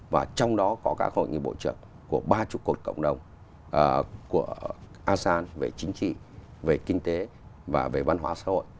và trong đó có cả hội nghị bộ trưởng của ba chục cộng đồng của asean về chính trị về kinh tế và về văn hóa xã hội